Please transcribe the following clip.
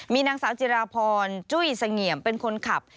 มีนางสาวจิราพรจุ้ยเสงี่ยมเป็นคนขับ